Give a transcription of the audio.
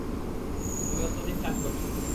তুমি অত্যাধিক কাজ করছ।